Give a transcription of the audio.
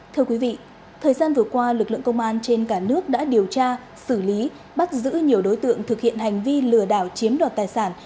thưa quý vị thời gian vừa qua lực lượng công an trên cả nước đã điều tra xử lý bắt giữ nhiều đối tượng thực hiện hành vi lừa đảo chiếm đoạt tài sản